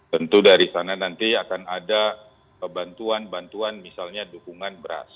tentu dari sana nanti akan ada bantuan bantuan misalnya dukungan beras